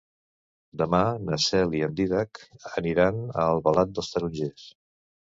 Demà na Cel i en Dídac aniran a Albalat dels Tarongers.